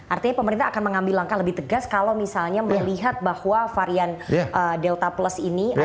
artinya pemerintah akan mengambil langkah lebih tegas kalau misalnya melihat bahwa varian delta plus ini